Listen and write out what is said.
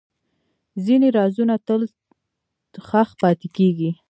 ځینې رازونه تل ښخ پاتې کېږي.